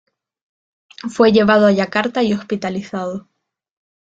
Fue llevado a Yakarta y hospitalizado.